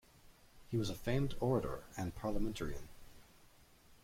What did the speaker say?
He was a famed orator and parliamentarian.